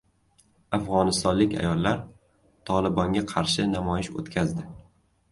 Afg‘onistonlik ayollar "Tolibon"ga qarshi namoyish o‘tkazdi